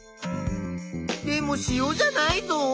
でも塩じゃないぞ。